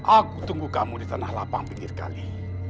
aku tunggu kamu di tanah lapang pinggir sekali